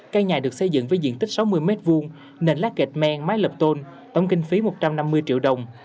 cây nhà được xây dựng với diện tích sáu mươi m hai nền lát kẹt men mái lập tôn tổng kinh phí một trăm năm mươi triệu đồng